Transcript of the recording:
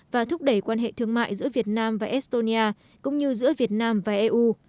và thúc đẩy quan hệ thương mại giữa việt nam và estonia cũng như giữa việt nam và eu